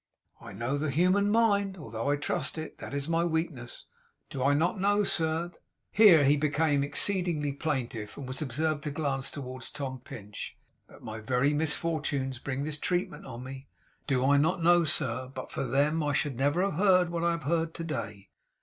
'I know the human mind, although I trust it. That is my weakness. Do I not know, sir' here he became exceedingly plaintive and was observed to glance towards Tom Pinch 'that my misfortunes bring this treatment on me? Do I not know, sir, that but for them I never should have heard what I have heard to day?